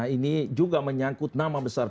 ini juga menyangkut nama besar